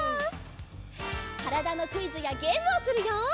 からだのクイズやゲームをするよ。